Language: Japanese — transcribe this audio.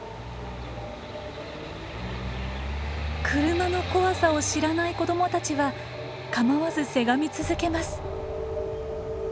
車の怖さを知らない子どもたちは構わずせがみ続けます。